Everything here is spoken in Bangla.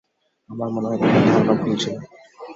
আমার মনে হয় তোমার ধারণা ভুল ছিল।